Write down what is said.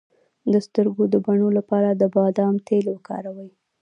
د سترګو د بڼو لپاره د بادام تېل وکاروئ